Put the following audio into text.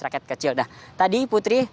rakyat kecil nah tadi putri